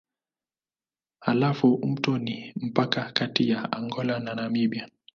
Halafu mto ni mpaka kati ya Angola na Namibia.